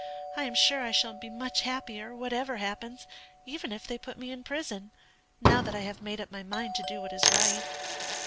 I am sure I shall be much happier, whatever happens, even if they put me in prison, now that I have made up my mind to do what is right."